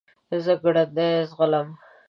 زه ګړندی ځغلم .